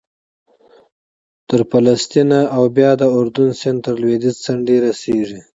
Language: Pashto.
تر فلسطین او بیا د اردن سیند تر لوېدیځې څنډې رسېږي